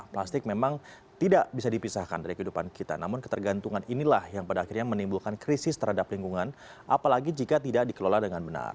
plastik memang tidak bisa dipisahkan dari kehidupan kita namun ketergantungan inilah yang pada akhirnya menimbulkan krisis terhadap lingkungan apalagi jika tidak dikelola dengan benar